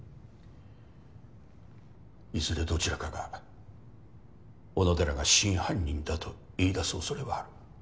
いずれどちらかが小野寺が真犯人だと言い出す恐れはある。